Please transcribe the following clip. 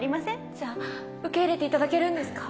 じゃあ受け入れていただけるんですか？